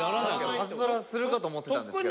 パズドラするかと思ってたんですけど。